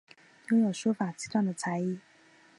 拥有书法七段的才艺。